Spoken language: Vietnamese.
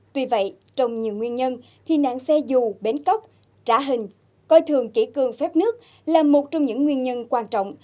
tuy vậy trong nhiều nguyên nhân thì nạn xe dù bến cóc trả hình coi thường kỷ cương phép nước là một trong những nguyên nhân quan trọng